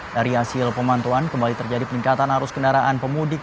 dari hasil pemantauan kembali terjadi peningkatan arus kendaraan pemudik